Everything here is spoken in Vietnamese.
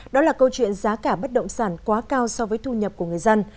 đó là câu chuyện giá cả bất động sản quá cao so với thu nhập của người dân